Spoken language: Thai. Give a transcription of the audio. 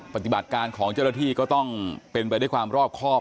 ปฏิบัติการของเจราตรีก็ต้องเป็นด้วยความรอบคอบ